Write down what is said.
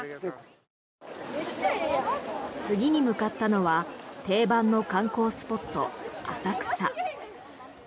次に向かったのは定番の観光スポット、浅草。